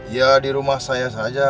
ya di rumah saya saja